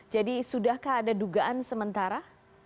jadi sudahkah ada dugaan sementara